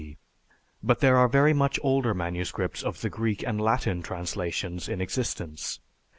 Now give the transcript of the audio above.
D., but there are very much older manuscripts of the Greek and Latin translations in existence.